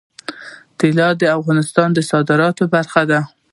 طلا د افغانستان د صادراتو برخه ده.